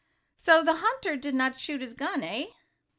"So the hunter did not shoot his gun, eh?"